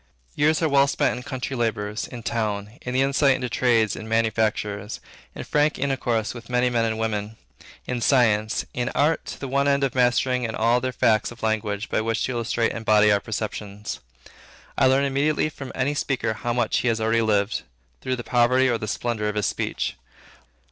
Years are well spent in country labors; in town, in the insight into trades and manufactures; in frank intercourse with many men and women; in science; in art; to the one end of mastering in all their facts a language by which to illustrate and embody our perceptions. I learn immediately from any speaker how much he has already lived, through the poverty or the splendor of his speech.